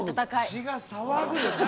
血が騒ぐんですね